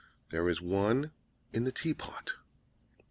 There is one in the tea pot!"